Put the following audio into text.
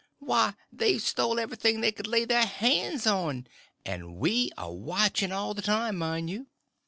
Why, they've stole everything they could lay their hands on—and we a watching all the time, mind you.